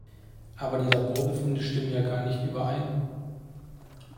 Aber die Laborbefunde stimmen ja gar nicht überein.